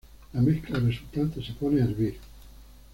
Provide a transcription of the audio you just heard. La mezcla resultante se pone a hervir.